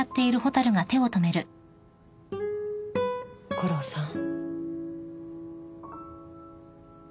悟郎さん。